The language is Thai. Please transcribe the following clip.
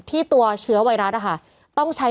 ตัวเชื้อไวรัสต้องใช้